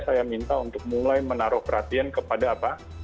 saya minta untuk mulai menaruh perhatian kepada apa